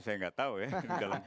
saya tidak tahu ya